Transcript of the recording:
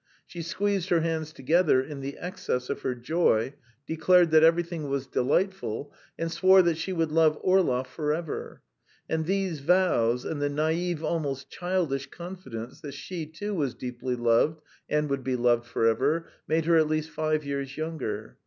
She squeezed her hands together in the excess of her joy, declared that everything was delightful, and swore that she would love Orlov for ever; and these vows, and the naive, almost childish confidence that she too was deeply loved and would be loved forever, made her at least five years younger.